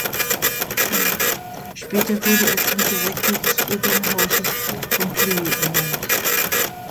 Später wurde er zum Direktor des Opernhauses von Cluj ernannt.